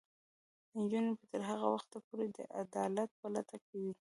نجونې به تر هغه وخته پورې د عدالت په لټه کې وي.